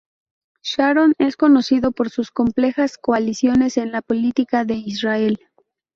Sharon es conocido por sus complejas coaliciones en la política de Israel.